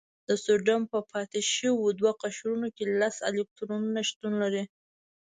د سوډیم په پاتې شوي دوه قشرونو کې لس الکترونونه شتون لري.